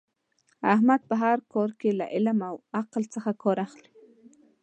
احمد په هر کار کې له علم او عقل څخه کار اخلي.